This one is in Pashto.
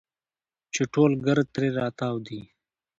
چې ټول ګرد ترې راتاو دي.